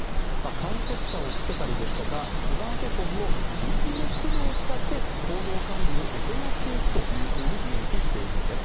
監督者をつけたりですとか、スマートフォンのＧＰＳ機能を使って、行動管理を行っていくというふうに明記しているんです。